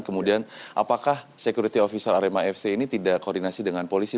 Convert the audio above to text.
kemudian apakah security officer arema fc ini tidak koordinasi dengan polisi